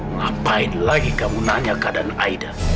ngapain lagi kamu nanya keadaan aida